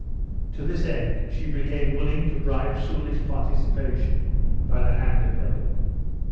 To this end, she became willing to bribe Soulis' participation, by the hand of Helen.